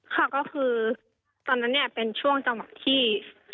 ค่ะก็คือตอนนั้นเนี่ยเป็นช่วงจังหวะที่